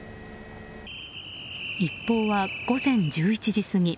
一報は午前１１時過ぎ。